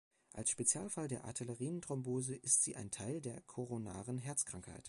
Als Spezialfall der arteriellen Thrombose ist sie ein Teil der koronaren Herzkrankheit.